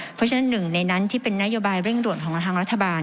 เพราะฉะนั้นหนึ่งในนั้นที่เป็นนโยบายเร่งด่วนของทางรัฐบาล